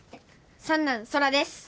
三男空です